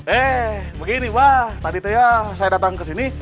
eh begini mba tadi saya datang kesini